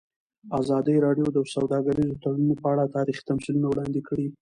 ازادي راډیو د سوداګریز تړونونه په اړه تاریخي تمثیلونه وړاندې کړي.